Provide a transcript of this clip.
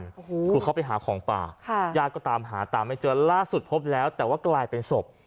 โอ้โหคือเขาไปหาของป่าค่ะญาติก็ตามหาตามไม่เจอล่าสุดพบแล้วแต่ว่ากลายเป็นศพ